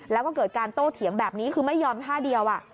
แล้วก็เกิดการโต้เถียงแบบนี้คือไม่ยอมท่าเดียว